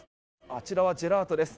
あちらはジェラートです。